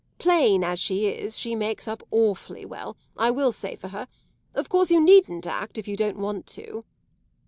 Plain as she is she makes up awfully well I will say for her. Of course you needn't act if you don't want to."